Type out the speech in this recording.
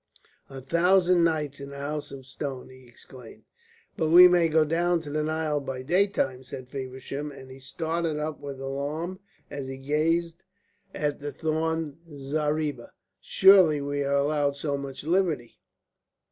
"A thousand nights of the House of Stone!" he exclaimed. "But we may go down to the Nile by daytime," said Feversham, and he started up with alarm as he gazed at the thorn zareeba. "Surely we are allowed so much liberty.